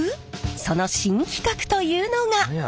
その新企画というのが。